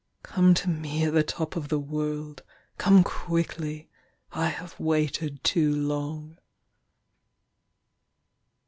Come to me at the top of the world, Come quickly—I have waited too long.